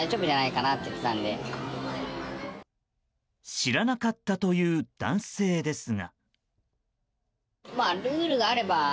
知らなかったという男性ですが。